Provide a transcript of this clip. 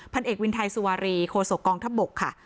เอกวินไทยสุวารีโคศกองทัพบกค่ะ